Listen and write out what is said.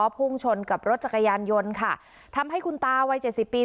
พุ่งชนกับรถจักรยานยนต์ค่ะทำให้คุณตาวัยเจ็ดสิบปี